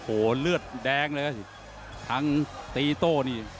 โอ้โหเลือดแดงเลยทั้งตีโต้นี่